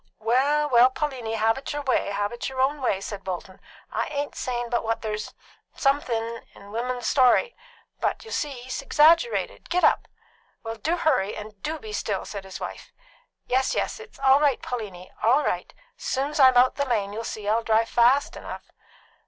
"Well, well, Pauliny, have it your own way, have it your own way," said Bolton. "I ain't sayin' but what there's _some_thin' in William's story; but you'll see't he's exaggerated. Git up!" "Well, do hurry, and do be still!" said his wife. "Yes, yes. It's all right, Pauliny; all right. Soon's I'm out the lane, you'll see't I'll drive fast enough."